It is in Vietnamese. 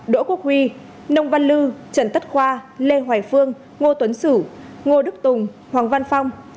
đỗ quốc huy nông văn lư trần tất khoa lê hoài phương ngô tuấn sử ngô đức tùng hoàng văn phong